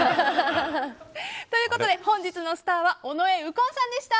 ということで本日のスターは尾上右近さんでした。